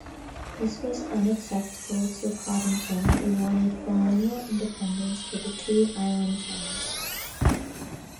This was unacceptable to Coddington who wanted colonial independence for the two island towns.